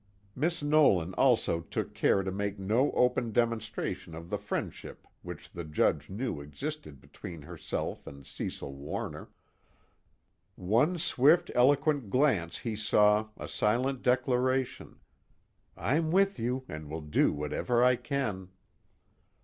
Miss Nolan also took care to make no open demonstration of the friendship which the Judge knew existed between herself and Cecil Warner. One swift eloquent glance he saw, a silent declaration: "_I'm with you and will do whatever I can.